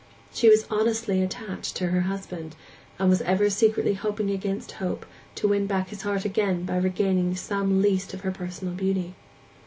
She was honestly attached to her husband, and was ever secretly hoping against hope to win back his heart again by regaining some at least of her personal beauty.